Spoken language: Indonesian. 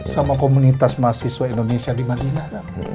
sama komunitas mahasiswa indonesia di madinah